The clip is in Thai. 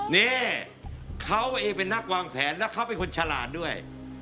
นี่เขาเองเป็นนักวางแผนแล้วเขาเป็นคนฉลาดด้วย